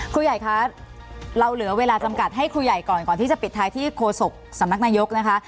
ครูใหญ่คะเราเหลือเวลาจำกัดให้ครูใหญ่ก่อนก่อนที่จะปิดท้ายที่โคศกสำนักนายกนะคะ